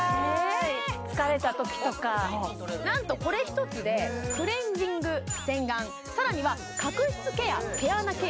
疲れたときとかなんとこれ１つでクレンジング洗顔さらには角質ケア毛穴ケア